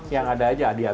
yang ada aja dihabisin